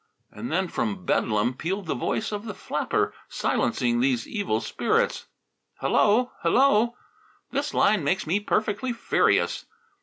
And then from Bedlam pealed the voice of the flapper, silencing these evil spirits. "Hello! Hello! This line makes me perfectly furious.